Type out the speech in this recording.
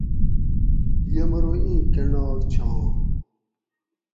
یمرو ایں کنڑاک چھاں